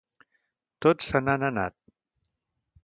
Tots se n'han anat.